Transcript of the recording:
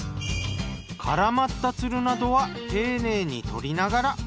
絡まったツルなどは丁寧に取りながら。